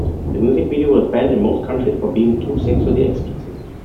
The music video was banned in most countries for being too sexually explicit.